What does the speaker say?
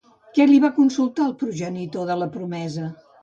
Què li va consultar el progenitor de la promesa?